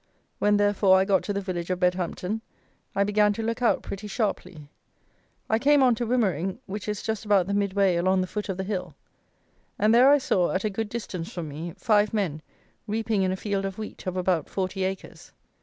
When, therefore, I got to the village of Bedhampton, I began to look out pretty sharply. I came on to Wimmering, which is just about the mid way along the foot of the hill, and there I saw, at a good distance from me, five men reaping in a field of wheat of about 40 acres.